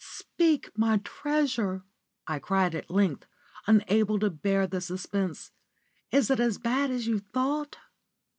"Speak, my treasure!" I cried at length, unable to bear the suspense; "is it as bad as you thought?"